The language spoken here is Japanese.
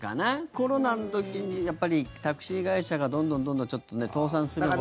コロナの時にやっぱりタクシー会社がどんどんどんどんちょっと倒産するような。